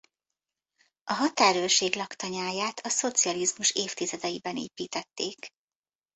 A határőrség laktanyáját a szocializmus évtizedeiben építették.